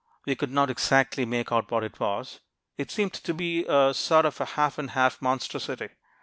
We could not exactly make out what it was. It seemed to be a sort of half and half monstrosity.